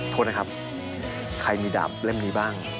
โทษนะครับใครมีดาบเล่มนี้บ้าง